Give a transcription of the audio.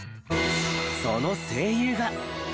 その声優が。